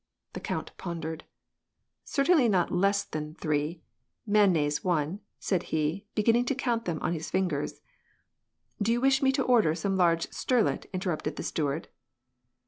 The count pondered: "Certainly not less than three — layonnaise, one "— said he, beginning to count them on his ingers. " Do you wish me to order some large sterlet," interrupted the steward.